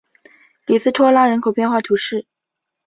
里斯托拉人口变化图示